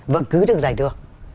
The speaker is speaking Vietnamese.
vẫn cứ được giải thưởng